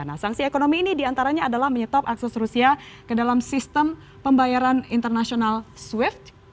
nah sanksi ekonomi ini diantaranya adalah menyetop akses rusia ke dalam sistem pembayaran international swift